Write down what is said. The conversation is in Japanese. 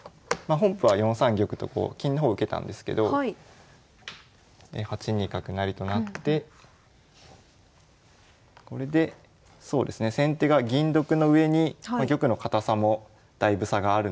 本譜は４三玉と金の方受けたんですけど８二角成となってこれでそうですね先手が銀得のうえに玉の堅さもだいぶ差があるので。